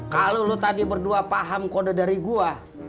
kalau lu tadi berdua paham kode dari gue